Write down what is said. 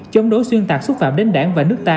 chống đối xuyên tạc xúc phạm đến đảng và nước ta